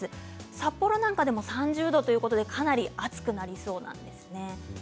札幌なんかでも３０度ということでかなり暑くなりそうなんですね。